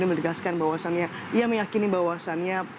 yang menegaskan bahwasannya ia meyakini bahwasannya